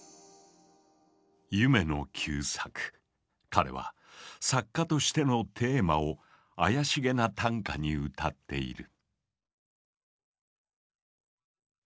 彼は作家としてのテーマを怪しげな短歌に歌っている。